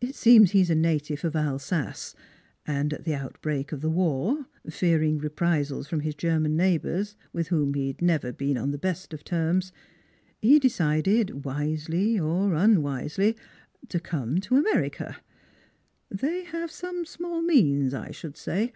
It seems he is a native of Alsace, and at the outbreak of the war, fearing reprisals from his German neighbors, with whom he had never been on the best of terms, he decided wisely or unwisely to come to America. They have some small means, I should say.